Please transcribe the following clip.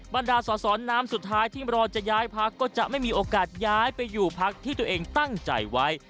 บรรดาสอสอน้ำสุดท้ายที่รอจะย้ายพักก็จะไม่มีโอกาสย้ายไปอยู่พักที่ตัวเองตั้งใจไว้